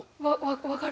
分かる。